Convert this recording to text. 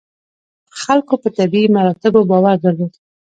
خلکو په طبیعي مراتبو باور درلود.